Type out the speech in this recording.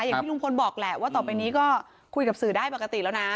อย่างที่ลุงพลบอกแหละว่าต่อไปนี้ก็คุยกับสื่อได้ปกติแล้วนะ